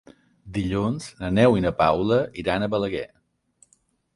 Dilluns na Neus i na Paula iran a Balaguer.